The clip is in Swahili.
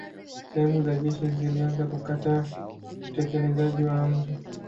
Sehemu za jeshi zilianza kukataa utekelezaji wa amri.